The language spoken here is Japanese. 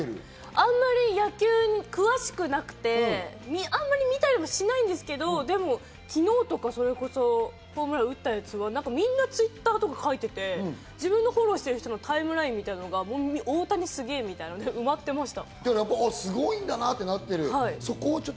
あんまり野球に詳しくなくて、あんまり見たりもしないんですけど、昨日とかそれこそホームラン打ったやつは、みんなＴｗｉｔｔｅｒとかに書いてて、自分のフォローしてる方のタイムラインとかにも「大谷すげぇ」とかで埋まってました。